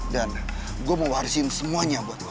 dan gue mau warisiin semuanya buat lo